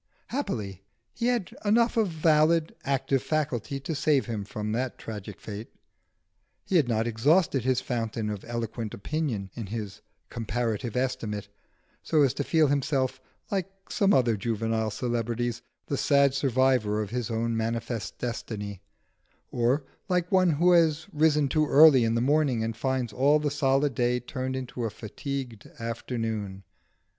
Happily he had enough of valid, active faculty to save him from that tragic fate. He had not exhausted his fountain of eloquent opinion in his 'Comparative Estimate,' so as to feel himself, like some other juvenile celebrities, the sad survivor of his own manifest destiny, or like one who has risen too early in the morning, and finds all the solid day turned into a fatigued afternoon.